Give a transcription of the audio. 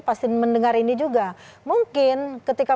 pasti mendengar ini juga mungkin ketika